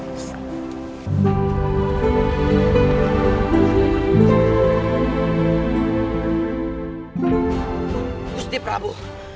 ampun gusti prabu